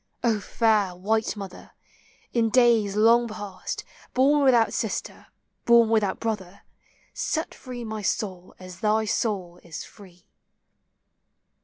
O fair white mother, in days long past Born without sister, born without brother, Set free my soul as thy soul is free.